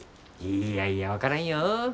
いやいや分からんよ。